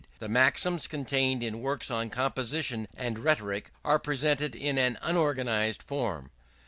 The maxims contained in works on composition and rhetoric, are presented in an unorganized form.